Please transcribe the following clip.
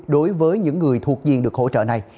đối với những người thuộc diện được hỗ trợ này